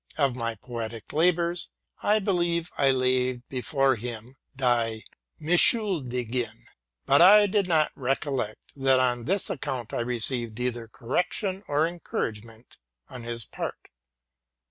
Of my poetical labors, I believe I laid before him '* Die Mitschuldigen ;'' but I do not recollect that on this account I received either correction or encouragement on his part.